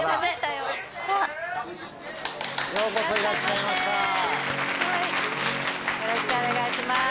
よろしくお願いします